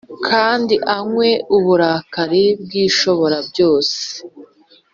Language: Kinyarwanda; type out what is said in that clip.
kandi anywe uburakari bw’ishoborabyose